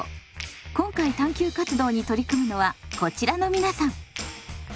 今回探究活動に取り組むのはこちらの皆さん。